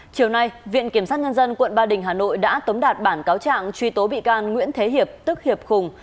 chiều nay viện kiểm sát nhân dân quận ba đình hà nội đã tống đạt bản cáo trạng truy tố bị can nguyễn thế hiệp tức hiệp hùng